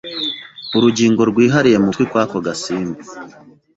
urugingo rwihariye mu gutwi kw’ako gasimba